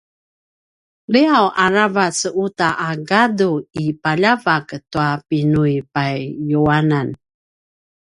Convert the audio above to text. liaw aravac uta a gadu i paljavak tua pinuipayuanan